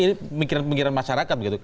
ini pemikiran pemikiran masyarakat begitu